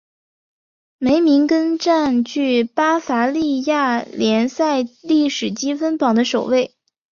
梅明根占据巴伐利亚联赛历史积分榜的首位。